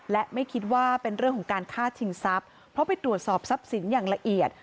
และไม่คิดว่าเป็นเรื่องของการฆ่าชิงทรัพย์เพราะไปตรวจสอบทรัพย์สินอย่างละเอียด